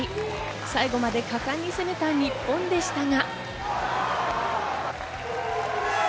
最後まで果敢に攻めた日本でしたが。